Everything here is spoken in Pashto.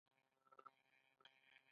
د جاز فستیوال په مونټریال کې وي.